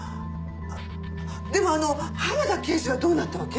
でもあの浜田刑事はどうなったわけ？